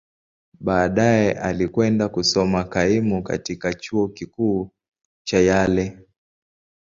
Baadaye, alikwenda kusoma kaimu katika Chuo Kikuu cha Yale.